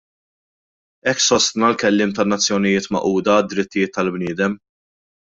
Hekk sostna l-kelliem tan-Nazzjonijiet Magħquda għad-Drittijiet tal-Bniedem.